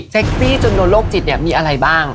เซ็กซี่จนโดนโลกจิตเนี้ยมีอะไรบ้าง